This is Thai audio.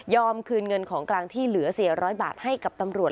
ยอมคืนเงินของกลางที่เหลือเศรียร้อยบาทให้กับตำรวจ